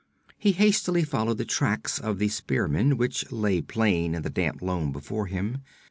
He hastily followed the tracks of the spearmen, which lay plain in the damp loam before him.